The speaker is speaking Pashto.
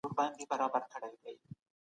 خلکو د سياسي قدرت د لاسته راوړلو هڅه وکړه.